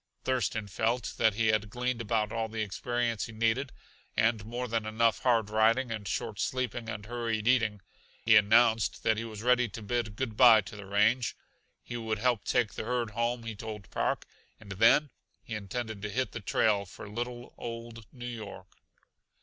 Thurston felt that he had gleaned about all the experience he needed, and more than enough hard riding and short sleeping and hurried eating. He announced that he was ready to bid good by to the range. He would help take the herd home, he told Park, and then he intended to hit the trail for little, old New York.